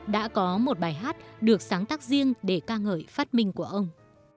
đã có một bài hát được sáng tác riêng để ca ngợi phát minh của ông